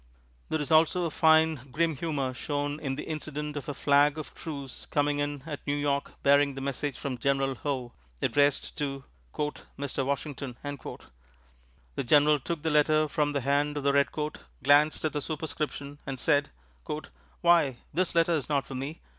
There is also a fine, grim humor shown in the incident of a flag of truce coming in at New York, bearing a message from General Howe, addressed to "Mr. Washington." The General took the letter from the hand of the redcoat, glanced at the superscription, and said: "Why, this letter is not for me!